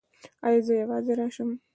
ایا زه یوازې راشم؟